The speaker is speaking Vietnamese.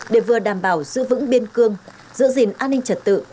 để vừa đảm bảo giữ vững biên cương giữ gìn an ninh trật tự